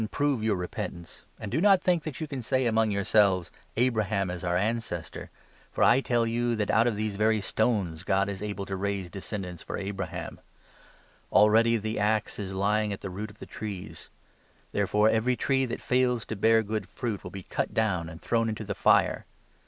47 prove your repentance ; and do not think that you can say 9 among yourselves 'Abraham is our ancestor,' for I tell you that out of these very stones God is able to raise descendants for Abraham ! Already the axe is lying at the root of the 10 trees. Therefore every tree that fails to bear good fruit will be cut down and thrown into the fire.